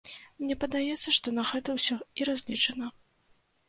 Мне падаецца, што на гэта ўсё і разлічана.